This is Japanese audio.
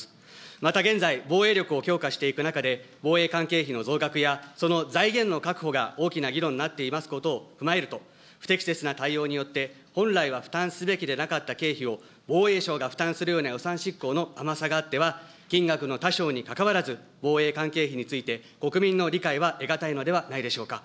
また、現在、防衛力を強化していく中で、防衛関係費の増額やその財源の確保が大きな議論になっていますことを踏まえると、不適切な対応によって、本来は負担すべきでなかった経費を防衛省が負担するような予算執行の甘さがあっては、金額の多少にかかわらず、防衛関係費について、国民の理解は得難いのではないでしょうか。